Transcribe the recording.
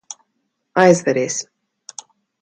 Aizveries.